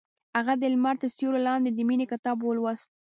هغې د لمر تر سیوري لاندې د مینې کتاب ولوست.